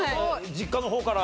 実家の方から？